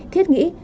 thiết nghĩ bên bắc